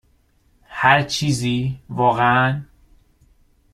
هر چیزی، واقعا.